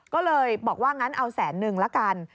ก็เลยบอกว่างั้นเอาแสนนึงละกัน